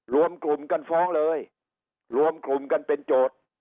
รวมกลุ่มกันฟ้องเลยรวมกลุ่มกันเป็นโจทย์